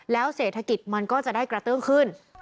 แล้วเศรษฐกิจมันก็จะได้กระเตื้องขึ้น